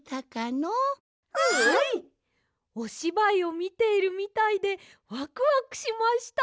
おしばいをみているみたいでワクワクしました！